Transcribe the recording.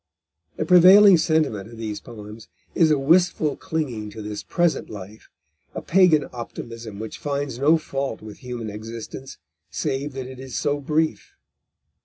The prevailing sentiment of these poems is a wistful clinging to this present life, a Pagan optimism which finds no fault with human existence save that it is so brief.